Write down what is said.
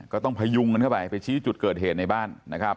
พยุงกันเข้าไปไปชี้จุดเกิดเหตุในบ้านนะครับ